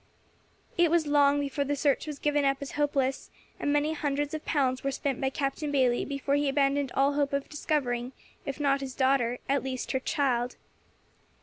It was long before the search was given up as hopeless, and many hundreds of pounds were spent by Captain Bayley before he abandoned all hope of discovering, if not his daughter, at least her child.